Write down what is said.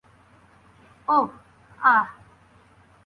ওহ, আহ।